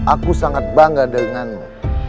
aku sangat bangga denganmu